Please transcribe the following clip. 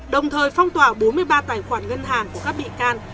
đồng thời phong tỏa bốn mươi ba tài khoản ngân hàng của các bị can